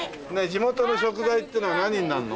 地元の食材っていうのは何になるの？